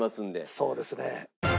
そうですね。